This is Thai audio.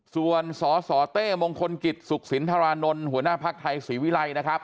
ส่วนสสเต้มงคลกิจสุขสินทรานนท์หัวหน้าภักดิ์ไทยศรีวิรัยนะครับ